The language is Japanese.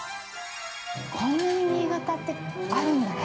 こんなに、新潟ってあるんだね。